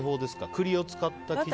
栗を使った生地？